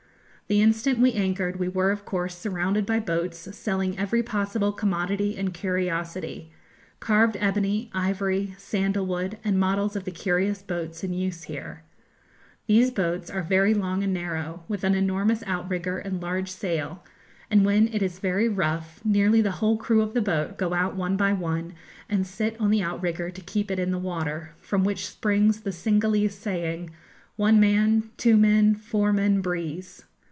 The instant we anchored we were of course surrounded by boats selling every possible commodity and curiosity, carved ebony, ivory, sandal wood, and models of the curious boats in use here. These boats are very long and narrow, with an enormous outrigger and large sail, and when it is very rough, nearly the whole of the crew of the boat go out one by one, and sit on the outrigger to keep it in the water, from which springs the Cingalese saying, 'One man, two men, four men breeze.'